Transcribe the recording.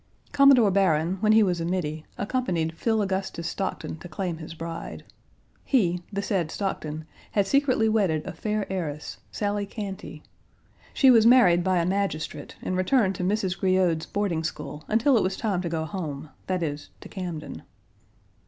Commodore Barron, when he was a middy, accompanied Phil Augustus Stockton to claim his bride. He, the said Stockton, had secretly wedded a fair heiress (Sally Cantey). She was married by a magistrate and returned to Mrs. Grillaud's boarding school until it was time to go home that is, to Camden.